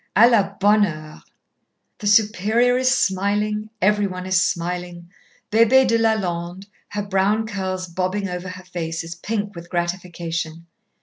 "A la bonne heure!" The Superior is smiling, every one is smiling, Bébée de Lalonde, her brown curls bobbing over her face, is pink with gratification.